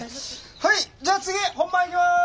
はいじゃあ次本番いきます！